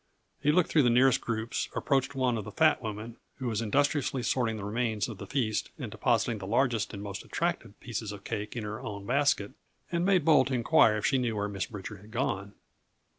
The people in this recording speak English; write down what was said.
He looked through the nearest groups, approached one of the fat women, who was industriously sorting the remains of the feast and depositing the largest and most attractive pieces of cake in her own basket, and made bold to inquire if she knew where Miss Bridger had gone.